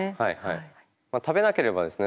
食べなければですね